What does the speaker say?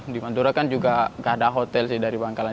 di madura kan juga gak ada hotel sih dari bangkalan